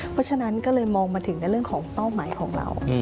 เพราะฉะนั้นก็เลยมองมาถึงในเรื่องของเป้าหมายของเรา